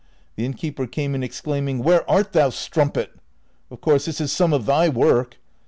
The innkeeper came in exclaiming, " Where art thou, strum pet ? Of course this is some of thy work."